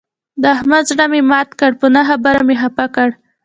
د احمد زړه مې مات کړ، په نه خبره مې خپه کړ.